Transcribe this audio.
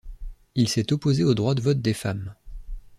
Il s'est opposé au droit de vote des femmes.